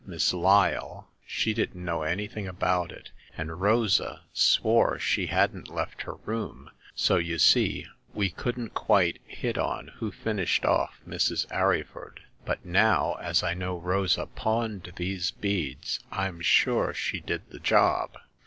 Miss Lyle, she didn't know anything about it, and Rosa swore she hadn't left her room, so, you see, we couldn't quite hit on who finished ofi Mrs. Arryford. But now as I know Rosa pawned these beads, I'm sure she did the job."